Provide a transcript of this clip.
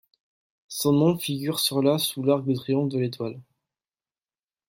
Son nom figure sur la sous l'arc de triomphe de l'Étoile.